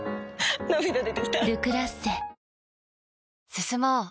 進もう。